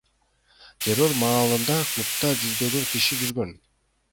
Террор маалында клубда жүздөгөн киши жүргөн.